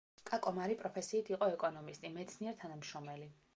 კაკო მარი პროფესიით იყო ეკონომისტი, მეცნიერ-თანამშრომელი.